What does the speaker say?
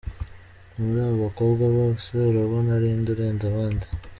Muri aba bakobwa bose urabona arinde urenze abandi?.